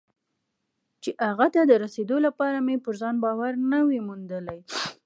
چې هغه ته د رسېدو لپاره مې پر ځان باور نه وي موندلی.